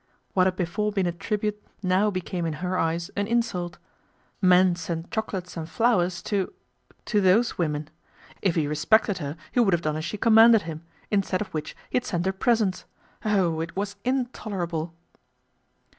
What had before been a tribute now became in her eyes an insult. Men sent chocolates and flowers to to " those women "! If he respected her he would have done as she commanded him, instead of which he had sent her presents. Oh ! it was in tolerable.